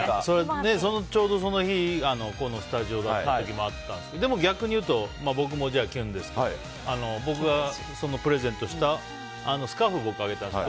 ちょうど、その日がこのスタジオだった時があったんですけどでも逆に言うと僕もキュンですけど僕がプレゼントでスカーフを僕があげたんです。